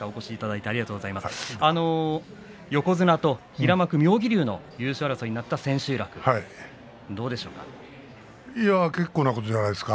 横綱と平幕妙義龍の優勝争いになった千秋楽、どうですか？